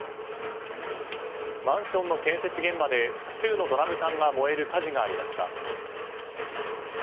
マンションの建設現場で複数のドラム缶が燃える火事がありました。